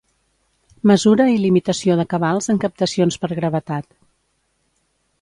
Mesura i limitació de cabals en captacions per gravetat.